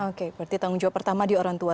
oke berarti tanggung jawab pertama di orang tua